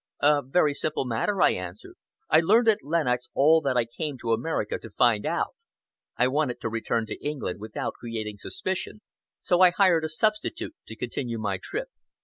"A very simple matter," I answered. "I learned at Lenox all that I came to America to find out. I wanted to return to England without creating suspicion, so I hired a substitute to continue my trip."